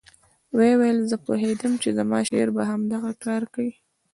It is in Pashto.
ويې ويل زه پوهېدم چې زما شېر به همدغه کار کيي.